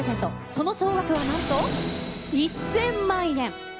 その総額はなんと１０００万円。